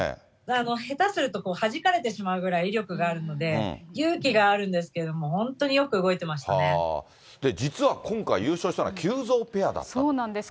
下手すると弾かれてしまうぐらい威力があるので、勇気があるんですけれども、本当によく動いてま実は今回、優勝したのは急増そうなんです。